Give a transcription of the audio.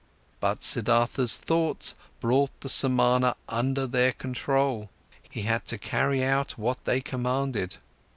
But Siddhartha's thoughts brought the Samana under their control, he had to carry out, what they commanded.